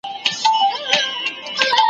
او « د سیند پرغاړه» ,